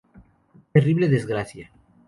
Terrible desgracia.